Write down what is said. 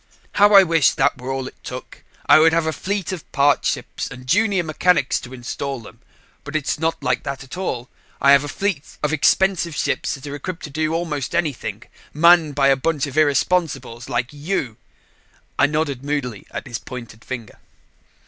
"How I wish that were all it took! I would have a fleet of parts ships and junior mechanics to install them. But its not like that at all. I have a fleet of expensive ships that are equipped to do almost anything manned by a bunch of irresponsibles like you." I nodded moodily at his pointing finger.